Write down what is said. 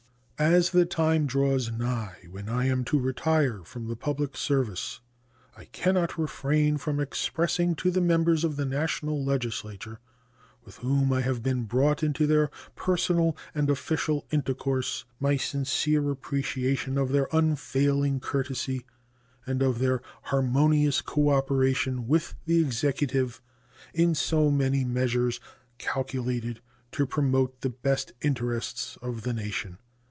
As the time draws nigh when I am to retire from the public service, I can not refrain from expressing to the members of the National Legislature with whom I have been brought into personal and official intercourse my sincere appreciation of their unfailing courtesy and of their harmonious cooperation with the Executive in so many measures calculated to promote the best interests of the nation.